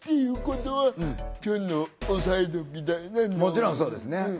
もちろんそうですね。